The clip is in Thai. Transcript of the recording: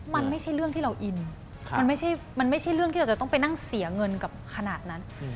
มันไม่ใช่เรื่องที่เราอินมันไม่ใช่มันไม่ใช่เรื่องที่เราจะต้องไปนั่งเสียเงินกับขนาดนั้น